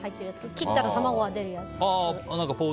切ったら卵が出るやつ。